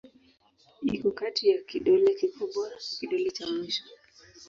Iko kati ya kidole kikubwa na kidole cha mwisho.